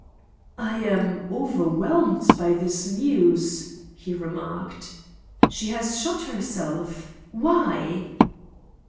"I am overwhelmed by this news," he remarked. "She has shot herself? Why?"